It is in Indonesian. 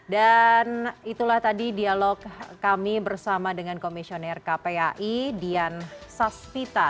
dan itulah tadi dialog kami bersama dengan komisioner kpai dian sasmita